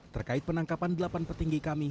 terkait penangkapan delapan petinggi kami